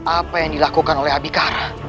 apa yang dilakukan oleh abikara